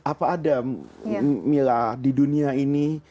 apa ada mila di dunia ini